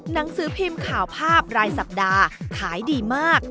หนังสือพิมพ์ข่าวภาพรายสัปดาห์ขายดีมาก